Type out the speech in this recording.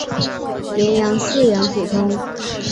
绵羊饲养普通。